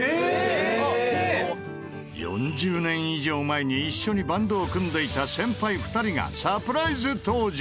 ４０年以上前に一緒にバンドを組んでいた先輩２人がサプライズ登場！